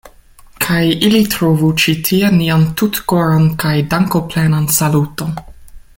Kaj ili trovu ĉi tie nian tutkoran kaj dankoplenan saluton.